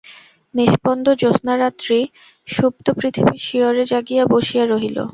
নিষ্পন্দ জ্যোৎস্নারাত্রি সুপ্ত পৃথিবীর শিয়রে জাগিয়া বসিয়া রহিল।